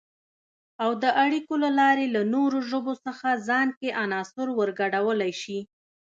او د اړیکو له لارې له نورو ژبو څخه ځان کې عناصر ورګډولای شي